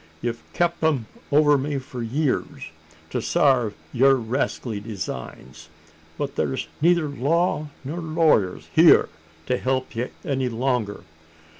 Ye've kep' 'm over me for years, to sarve yer rascally designs. But thur's neither law nor lawyers hyur to help you any longer.